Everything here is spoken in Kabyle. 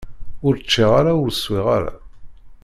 Ur ččiɣ ara, ur swiɣ ara.